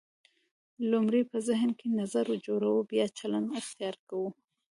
لومړی په ذهن کې نظر جوړوو بیا چلند اختیار کوو.